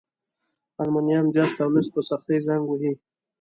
المونیم، جست او مس په سختي زنګ وهي.